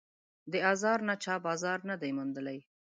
د آزار نه چا بازار نه دی موندلی